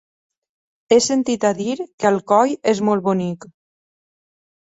He sentit a dir que Alcoi és molt bonic.